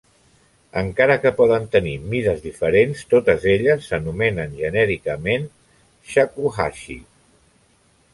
Encara que poden tenir mides diferents, totes elles s'anomenen genèricament "shakuhachi".